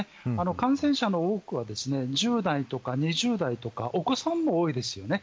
感染者の多くは１０代とか２０代とかお子さんも多いですよね。